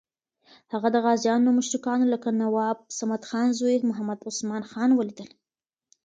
هغه د غازیانو مشرانو لکه نواب صمدخان زوی محمد عثمان خان ولیدل.